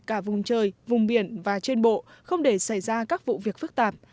cả vùng trời vùng biển và trên bộ không để xảy ra các vụ việc phức tạp